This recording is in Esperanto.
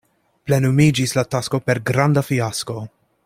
Plenumiĝis la tasko per granda fiasko.